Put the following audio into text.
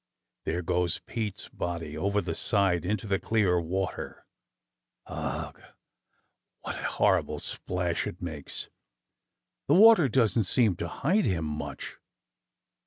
There goes Pete's body over the side into the clear water. Ugh! what a hor rible splash it makes! The water doesn't seem to hide him much!